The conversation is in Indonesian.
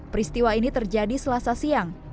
peristiwa ini terjadi selasa siang